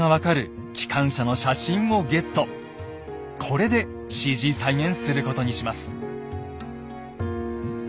これでＣＧ再現することにします。